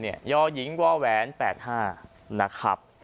ยหญิงวแหวน๘๕นะครับ